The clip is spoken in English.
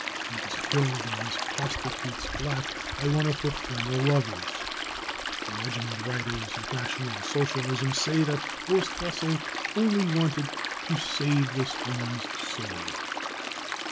He was killed in this prostitute's fiat by one of her former lovers. The legend writers of National Socialism say that Horst Wessel only wanted to " save 33 this woman's " soul."